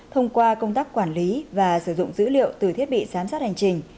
thông qua công tác quản lý và sử dụng dữ liệu từ thiết bị giám sát hành trình